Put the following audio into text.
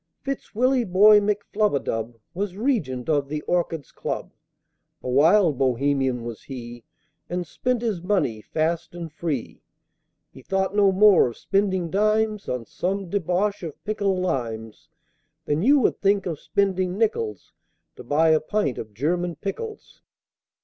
Fitz Willieboy McFlubadub Was Regent of the Orchids' Club; A wild Bohemian was he, And spent his money fast and free. He thought no more of spending dimes On some debauch of pickled limes, Than you would think of spending nickels To buy a pint of German pickles!